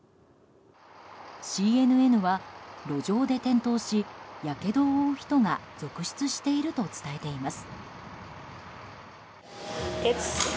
ＣＮＮは、路上で転倒しやけどを負う人が続出していると伝えています。